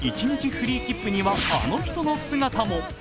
フリー切符にはあの人の姿も。